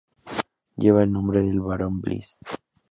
Lleva el nombre del Barón Bliss.